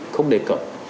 không đề cận